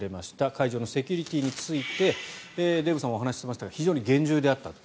会場のセキュリティーについてデーブさんお話ししていましたが非常に厳重であったと。